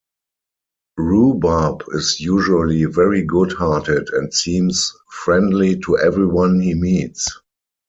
Roobarb is usually very good hearted and seems friendly to everyone he meets.